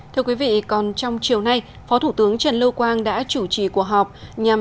thưa quý vị còn trong chiều nay phó thủ tướng trần lưu quang đã chủ trì cuộc họp nhằm